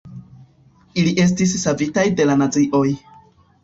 Ili estis savitaj de la nazioj.